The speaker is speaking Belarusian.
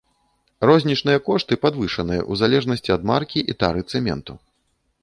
Рознічныя кошты падвышаныя ў залежнасці ад маркі і тары цэменту.